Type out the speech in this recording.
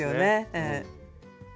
ええ。